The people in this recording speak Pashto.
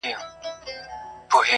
باطل پرستو په مزاج ډېره تره خه یم کنې,